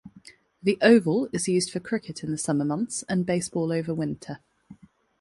The oval is used for cricket in the summer months and baseball over winter.